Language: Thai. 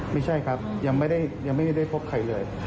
ไม่ใช่ครับยังไม่ได้พบใครเลย